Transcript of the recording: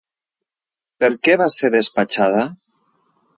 Per què va ser despatxada?